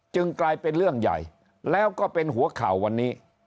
กลายเป็นเรื่องใหญ่แล้วก็เป็นหัวข่าววันนี้